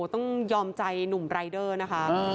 ต้องยอมใจหนุ่มรายเดอร์นะคะ